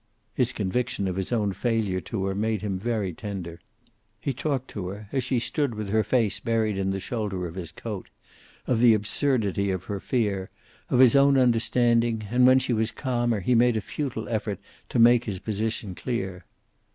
His conviction of his own failure to her made him very tender. He talked to her, as she stood with her face buried in the shoulder of his coat, of the absurdity of her fear, of his own understanding, and when she was calmer he made a futile effort to make his position clear.